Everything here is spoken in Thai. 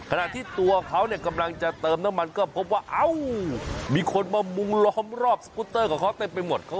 ขณะที่ตัวเขาเนี่ยกำลังจะเติมน้ำมันก็พบว่าเอ้ามีคนมามุงล้อมรอบสกุตเตอร์กับเขาเต็มไปหมด